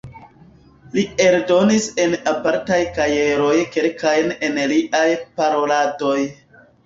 Li eldonis en apartaj kajeroj kelkajn el liaj paroladoj.